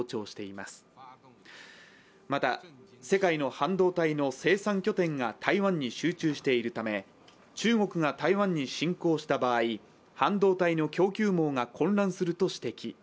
また世界の半導体の生産拠点が台湾に集中しているため中国が台湾に侵攻した場合半導体の供給網が混乱すると指摘。